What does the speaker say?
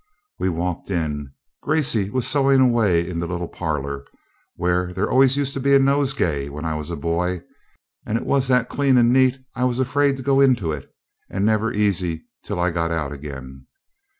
We walked in. Gracey was sewing away in the little parlour, where there always used to be a nosegay when I was a boy, and it was that clean and neat I was afraid to go into it, and never easy till I got out again.